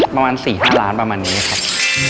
ประมาณสี่ห้าร้านประมาณนี้ครับ